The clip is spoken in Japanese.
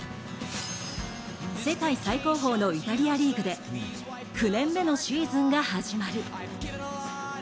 世界最高峰のイタリアリーグで９年目のシーズンが始まる。